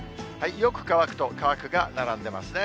よく乾くと乾くが並んでますね。